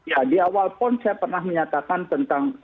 ya di awal pun saya pernah menyatakan tentang